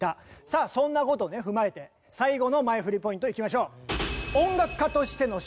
さあそんな事を踏まえて最後の前フリポイントいきましょう。